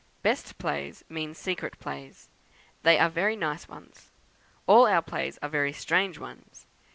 Best plays mean secret plays; they are very nice ones. All our plays are very strange ones.